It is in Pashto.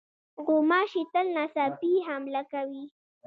غوماشې تل ناڅاپي حمله کوي.